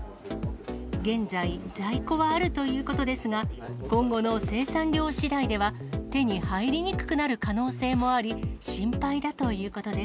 現在、在庫はあるということですが、今後の生産量しだいでは、手に入りにくくなる可能性もあり、心配だということです。